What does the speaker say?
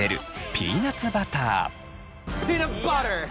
ピーナツバター！